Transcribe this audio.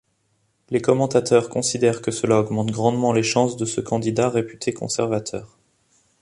Les commentateurs considèrent que cela augmente grandement les chances de ce candidat réputé conservateur.